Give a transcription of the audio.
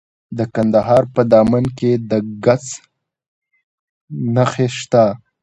د کندهار په دامان کې د ګچ نښې شته.